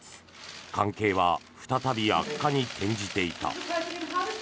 関係は再び悪化に転じていた。